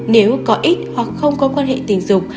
nếu có ít hoặc không có quan hệ tình dục